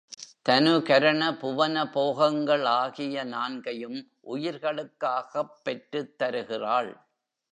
தனு கரண புவன போகங்கள் ஆகிய நான்கையும் உயிர்களுக்காகப் பெற்றுத் தருகிறாள்.